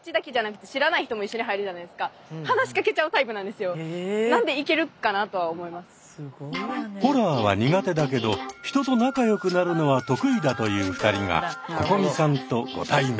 でも私結構ホラーは苦手だけど人と仲よくなるのは得意だという２人がここみさんとご対面。